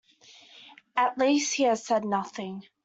At least, he has said nothing.